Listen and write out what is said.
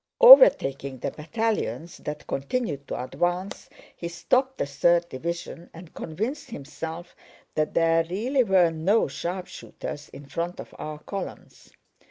Overtaking the battalions that continued to advance, he stopped the third division and convinced himself that there really were no sharpshooters in front of our columns.